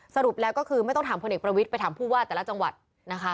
สรุปแล้วก็คือไม่ต้องถามพลเอกประวิทย์ไปถามผู้ว่าแต่ละจังหวัดนะคะ